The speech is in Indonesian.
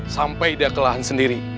sampai dia kelahan sendiri